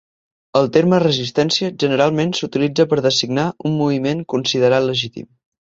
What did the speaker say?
El terme resistència generalment s'utilitza per designar un moviment considerat legítim.